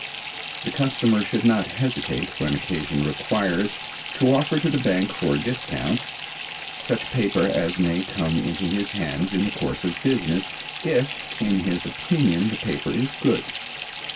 The customer should not hesitate, when occasion requires, to offer to the bank for discount such paper as may come into his hands in the course of business, if, in his opinion, the paper is good.